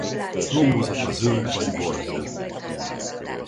Lombozata zöld vagy bordó.